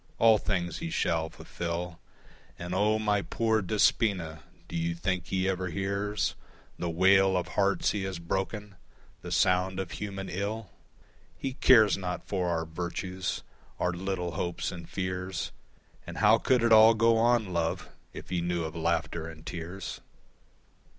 All things he shall fulfill, And O, my poor Despoina, do you think he ever hears The wail of hearts he has broken, the sound of human ill? He cares not for our virtues, our little hopes and fears, And how could it all go on, love, if he knew of laughter and tears?